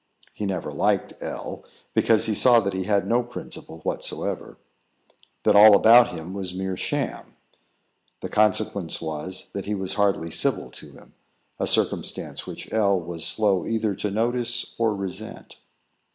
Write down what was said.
He never liked L , because he saw that he had no principle whatever; that all about him was mere sham. The consequence was that he was hardly civil to him, a circumstance which L was slow either to notice or resent.